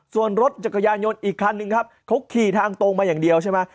ส่วนรถจักรยานยนต์อีกคันนึงครับเขาขี่ทางตรงมาอย่างเดียวใช่ไหม